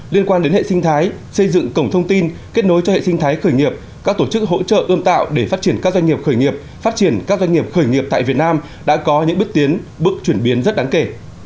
liên quan đến hệ sinh thái xây dựng cổng thông tin kết nối cho hệ sinh thái khởi nghiệp các tổ chức hỗ trợ ươm tạo để phát triển các doanh nghiệp khởi nghiệp phát triển các doanh nghiệp khởi nghiệp tại việt nam đã có những bước tiến bước chuyển biến rất đáng kể